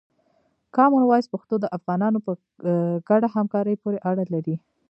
کامن وایس پښتو د افغانانو په ګډه همکاري پورې اړه لري.